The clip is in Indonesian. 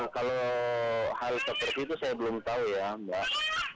kalau hal seperti itu saya belum tahu ya mbak